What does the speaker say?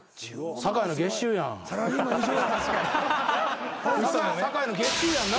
酒井の月収やんな？